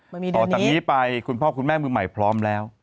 ต่อจากนี้ไปคุณพ่อคุณแม่มือใหม่พร้อมแล้ว